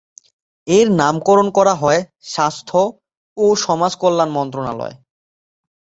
এর নামকরণ করা হয় স্বাস্থ্য ও সমাজকল্যাণ মন্ত্রণালয়।